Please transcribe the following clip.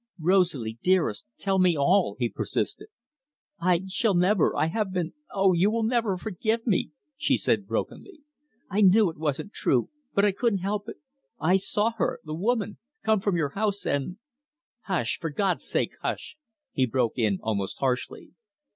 "Rosalie, dearest, tell me all!" he persisted. "I shall never I have been oh you will never forgive me!" she said brokenly. "I knew it wasn't true, but I couldn't help it. I saw her the woman come from your house, and " "Hush! For God's sake, hush!" he broke in almost harshly.